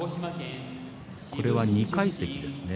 これは２階席ですね。